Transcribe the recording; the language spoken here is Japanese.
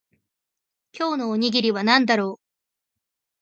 今日のおにぎりは何だろう